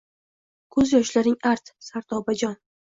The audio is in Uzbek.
Koʻz yoshlaring art, Sardobajon